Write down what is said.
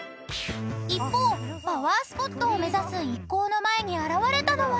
［一方パワースポットを目指す一行の前に現れたのは］